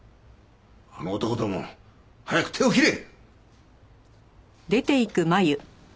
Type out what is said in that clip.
あの男とも早く手を切れ！